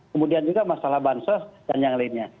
kemudian juga masalah bansos dan yang lainnya